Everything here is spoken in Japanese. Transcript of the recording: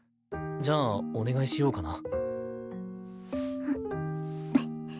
じゃあお願いしようかな。